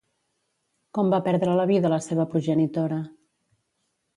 Com va perdre la vida la seva progenitora?